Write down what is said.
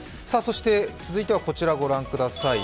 続いてはこちらを御覧ください。